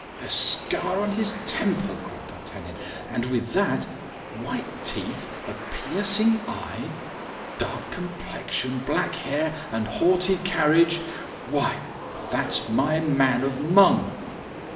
"A scar on his temple!" cried D'Artagnan; "and with that, white teeth, a piercing eye, dark complexion, black hair, and haughty carriage—why, that's my man of Meung."